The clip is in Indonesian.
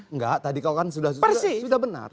enggak tadi kalau kan sudah benar